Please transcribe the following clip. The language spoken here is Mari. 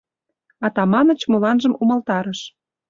Атаманыч моланжым умылтарыш.